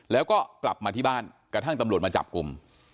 แล้วก็กลับมาที่บ้านกระทั่งตำรวจมาจับกลุ่ม